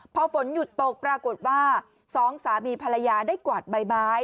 พอฝนหยุดตกปรากฏว่าสองสามีภรรยาได้กวาดใบไม้